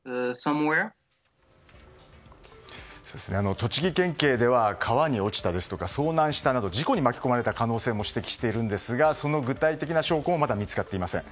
栃木県警では川に落ちたとか遭難したとか事故に巻き込まれた可能性も指摘しているんですがその具体的な証拠もまだ見つかっていません。